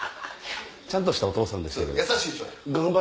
ちゃんとしたお父さんでした。